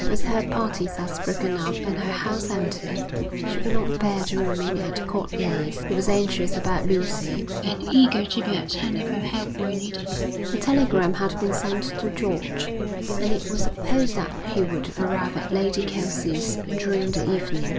With her party thus broken up and her house empty, she could not bear to remain at Court Leys. She was anxious about Lucy and eager to be at hand if her help were needed. A telegram had been sent to George, and it was supposed that he would arrive at Lady Kelsey's during the evening.